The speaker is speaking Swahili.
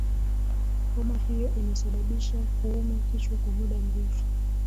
homa hiyo inasababisha kuumwa kichwa kwa muda mrefu